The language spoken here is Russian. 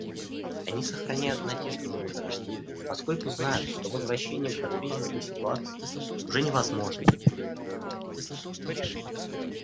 Они сохраняют надежду на возрождение, поскольку знают, что возвращение к докризисной ситуации уже невозможно.